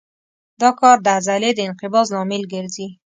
دا کار د عضلې د انقباض لامل ګرځي.